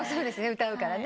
歌うからね。